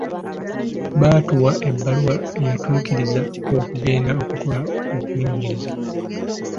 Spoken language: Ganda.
Baatuwa ebbaluwa eyatukkiriza okugenda okukola okunoonyereza.